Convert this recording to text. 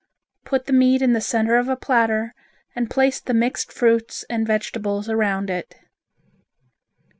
Put the meat in the center of a platter and place the mixed fruits and vegetables around it.